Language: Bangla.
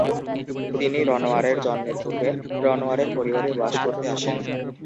তিনি রনোয়ারের জন্মের পূর্বে রনোয়ারের পরিবারে বাস করতে আসেন।